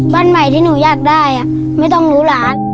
บ้านใหม่ที่หนูอยากได้ไม่ต้องรู้ร้าน